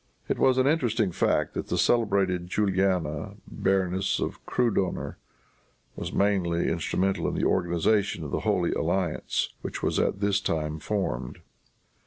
It is an interesting fact that the celebrated Juliana, Baroness of Krudoner, was mainly instrumental in the organization of the Holy Alliance, which was at this time formed.